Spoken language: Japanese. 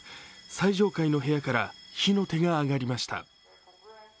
最上階の部屋から火の手が上がりました。